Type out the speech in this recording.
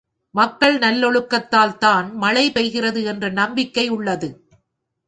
மக்கள் நல்லொழுக்கத்தால்தான் மழை பெய்கிறது என்ற நம்பிக்கை உள்ளது.